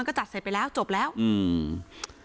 ไม่อยากให้มองแบบนั้นจบดราม่าสักทีได้ไหม